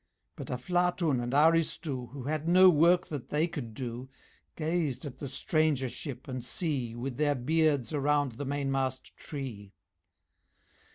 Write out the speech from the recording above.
But Aflatun and Aristu, Who had no work that they could do, Gazed at the stranger Ship and Sea With their beards around the mainmast tree.